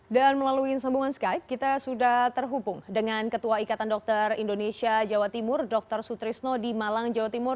dan melalui sambungan skype kita sudah terhubung dengan ketua ikatan dokter indonesia jawa timur dr sutrisno di malang jawa timur